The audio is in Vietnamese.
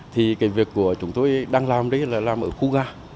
thì cái việc của chúng tôi đang làm đây là làm ở khu ga